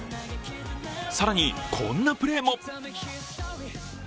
更に、こんなプレーも。